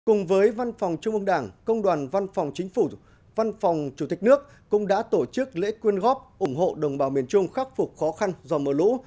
cùng với văn phòng trung ương đảng công đoàn văn phòng chính phủ văn phòng chủ tịch nước cũng đã tổ chức lễ quyên góp ủng hộ đồng bào miền trung khắc phục khó khăn do mưa lũ